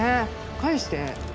返して。